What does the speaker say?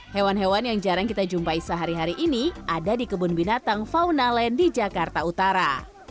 hewan hewan yang jarang kita jumpai sehari hari ini ada di kebun binatang fauna land di jakarta utara